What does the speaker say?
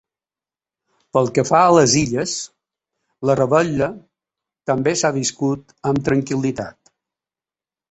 Pel que fa a les Illes, la revetlla també s’ha viscut amb tranquil·litat.